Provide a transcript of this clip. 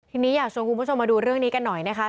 ทีนี้อยากชวนคุณผู้ชมมาดูเรื่องนี้กันหน่อยนะคะ